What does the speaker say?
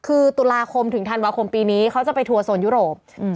คือตุลาคมถึงธันวาคมปีนี้เขาจะไปทัวร์โซนยุโรป